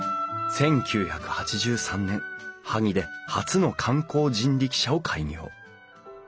１９８３年萩で初の観光人力車を開業。